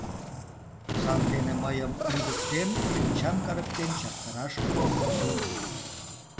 Сандене мыйым, лӱдыктен, шинчам карыктен чактараш ок лий.